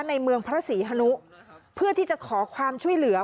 ในเมืองพระศรีฮนุเพื่อที่จะขอความช่วยเหลือ